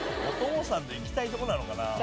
お父さんと行きたいとこなのかな？